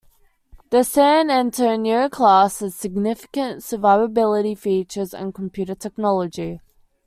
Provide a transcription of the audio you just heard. The "San Antonio" class has significant survivability features and computer technology.